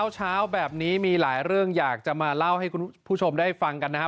เช้าแบบนี้มีหลายเรื่องอยากจะมาเล่าให้คุณผู้ชมได้ฟังกันนะฮะ